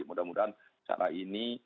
mudah mudahan cara ini